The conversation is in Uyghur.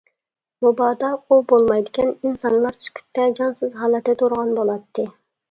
مۇبادا ئۇ بولمايدىكەن، ئىنسانلار سۈكۈتتە، جانسىز ھالەتتە تۇرغان بولاتتى.